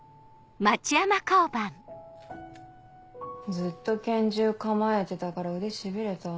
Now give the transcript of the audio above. ずっと拳銃構えてたから腕しびれた。